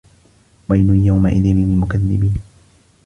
وَيلٌ يَومَئِذٍ لِلمُكَذِّبينَ